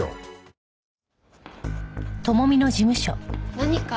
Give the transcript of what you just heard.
何か？